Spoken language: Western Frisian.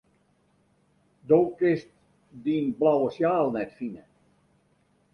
Do kinst dyn blauwe sjaal net fine.